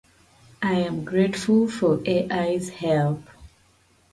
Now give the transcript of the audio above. Modern petroleum exploration is an efficient process.